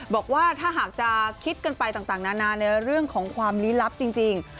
บอกว่าถ้าหากจะคิดกันไปต่างนานาในเรื่องของความลี้ลับจริง